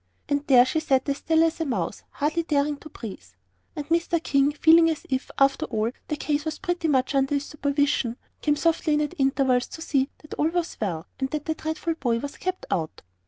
And there she sat as still as a mouse, hardly daring to breathe. And Mr. King, feeling as if, after all, the case was pretty much under his supervision, came softly in at intervals to see that all was well, and that the dreadful boy was kept out.